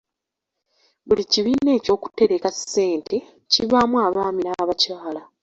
Buli kibiina eky'okutereka ssente kibaamu abaami n'abakyala.